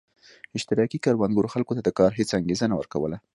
اشتراکي کروندو خلکو ته د کار هېڅ انګېزه نه ورکوله